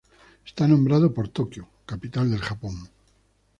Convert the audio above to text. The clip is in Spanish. Está nombrado por Tokio, capital del Japón.